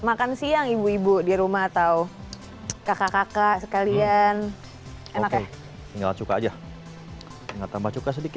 makan siang ibu ibu di rumah atau kakak kakak sekalian enaknya tinggal suka aja enggak tambah